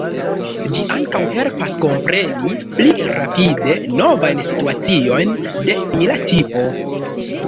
Ĝi ankaŭ helpas kompreni pli rapide novajn situaciojn de simila tipo.